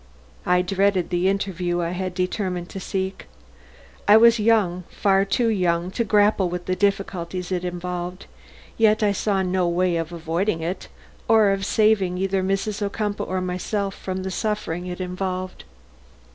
I dreaded the interview I had determined to seek. I was young, far too young, to grapple with the difficulties it involved; yet I saw no way of avoiding it, or of saving either Mrs. Ocumpaugh or myself from the suffering it involved.